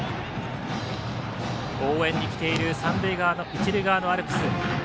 応援に来ている一塁側のアルプス。